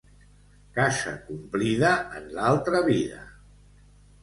Cosa complida, en l'altra vida.